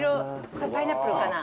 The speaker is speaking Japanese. これパイナップルかな？